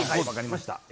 分かりました。